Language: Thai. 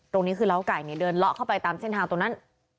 ตรงนี้คือเล้าไก่เนี่ยเดินเลาะเข้าไปตามเส้นทางตรงนั้น